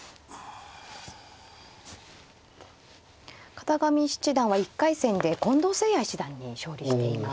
片上七段は１回戦で近藤誠也七段に勝利しています。